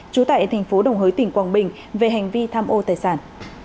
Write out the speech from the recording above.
trú tại thành phố đồng hới tỉnh quảng bình về hành vi tham ô tài sản